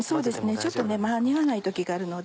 ちょっと間に合わない時があるので。